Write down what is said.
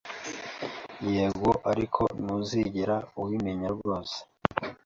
Yego Ariko ntuzigera ubimenya rwose,